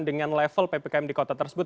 dengan level ppkm di kota tersebut